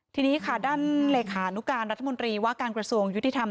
ทีนี้ค่ะด้านเลขานุการรัฐมนตรีว่าการกระทรวงยุติธรรม